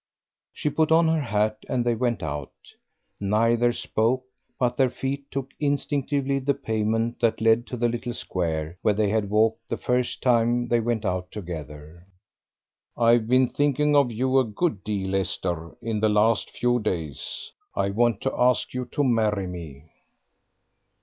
She put on her hat, and they went out. Neither spoke, but their feet took instinctively the pavement that led to the little square where they had walked the first time they went out together. "I've been thinking of you a good deal, Esther, in the last few days. I want to ask you to marry me."